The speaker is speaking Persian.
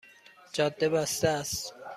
جاده بسته است